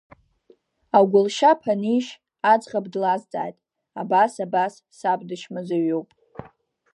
Агәылшьап анишь, аӡӷаб длазҵааит абас, абас саб дычмазаҩуп.